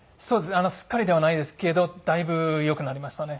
すっかりではないですけどだいぶよくなりましたね。